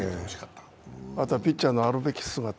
ピッチャーのあるべき姿。